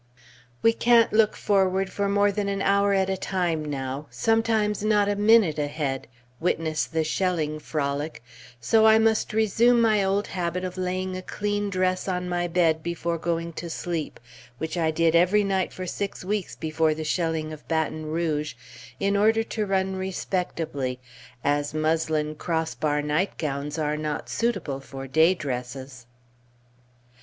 We can't look forward more than an hour at a time now, sometimes not a minute ahead (witness the shelling frolic), so I must resume my old habit of laying a clean dress on my bed before going to sleep, which I did every night for six weeks before the shelling of Baton Rouge, in order to run respectably, as muslin cross bar nightgowns are not suitable for day dresses.